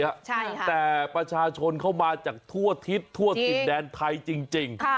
ใช่ค่ะแต่ประชาชนเข้ามาจากทั่วทิศทั่วถิ่นแดนไทยจริง